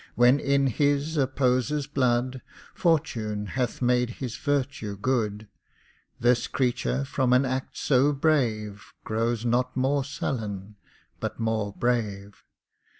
When in his opposer's blood Fortune hath made his virtue good, This creature from an act so brave Grows not more sullen, but more brave.